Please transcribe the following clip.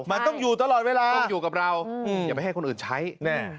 มันต้องอยู่ตลอดเวลาต้องอยู่กับเราอย่าไปให้คนอื่นใช้แน่